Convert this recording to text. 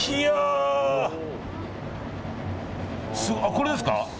これですか。